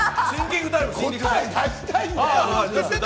答え出したいんだよ！